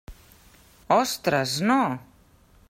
Ostres, no!